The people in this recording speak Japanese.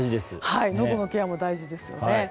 のどのケアも大事ですね。